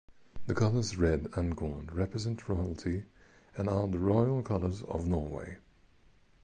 The colours red and gold represent royalty and are the royal colors of Norway.